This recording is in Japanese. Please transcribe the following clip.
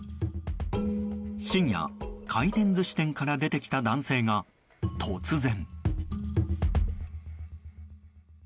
深夜、回転寿司店から出てきた男性が突然。